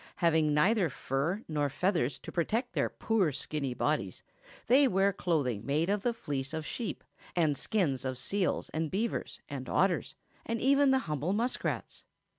Having neither fur nor feathers to protect their poor skinny bodies, they wear clothing made of the fleece of sheep, and skins of seals and beavers and otters and even the humble muskrats.